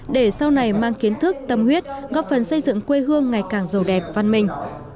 để sau này mang kiến thức tâm huyết góp phần xây dựng quê hương ngày càng giàu đẹp văn minh